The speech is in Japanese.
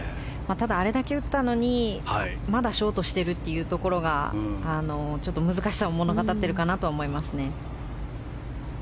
あれだけ打ったのにまだショートしているというところがちょっと難しさを物語ってるかなとは思いますね。